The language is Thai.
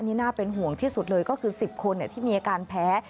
นี่น่าเป็นห่วงที่สุดเลยก็คือ๑๐คนที่มีอาการแพ้